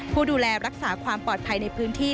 ผู้ดูแลรักษาความปลอดภัยในพื้นที่